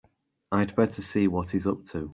I'd better see what he's up to.